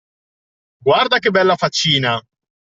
Guarda che bella faccina!